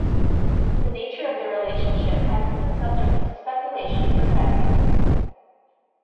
The nature of their relationship has been a subject of speculation for decades.